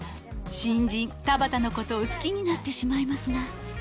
新人田畑のことを好きになってしまいますが。